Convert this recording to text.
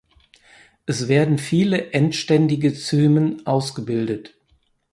Es werden viele endständige Cymen ausgebildet.